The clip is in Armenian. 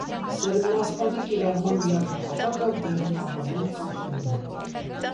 Սերմնասպանի կիրառման միակ նպատակը բեղմնավորման կանխումն է։